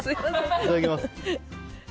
いただきます。